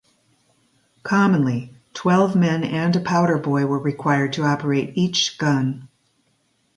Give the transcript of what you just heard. Commonly, twelve men and a powder-boy were required to operate each gun.